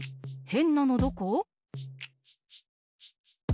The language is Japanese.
へんなのどこ？